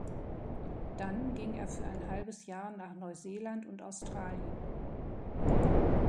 Dann ging er für ein halbes Jahr nach Neuseeland und Australien.